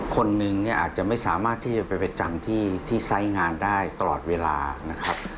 คนหนึ่งอาจจะไม่สามารถที่จะไปจำที่ที่ใส่งานได้ตลอดเวลานะครับ